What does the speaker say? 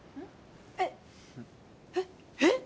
えっえっ？えっ？